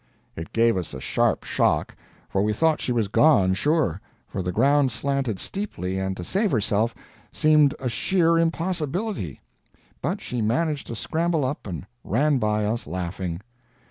It gave us a sharp shock, for we thought she was gone, sure, for the ground slanted steeply, and to save herself seemed a sheer impossibility; but she managed to scramble up, and ran by us laughing.